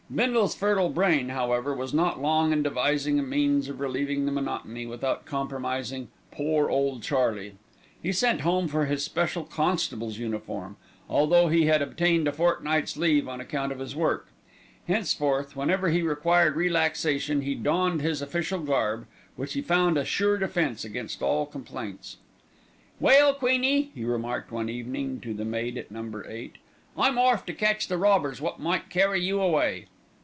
Bindle's fertile brain, however, was not long in devising a means of relieving the monotony without compromising "pore Ole Charlie." He sent home for his special constable's uniform, although he had obtained a fortnight's leave on account of his work. Henceforth, whenever he required relaxation, he donned his official garb, which he found a sure defence against all complaints. "Well, Queenie," he remarked one evening to the maid at Number Eight, "I'm orf to catch the robbers wot might carry you away."